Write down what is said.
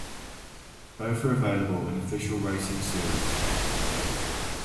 Both are available in official racing series.